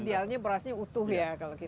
idealnya berasnya utuh ya kalau kita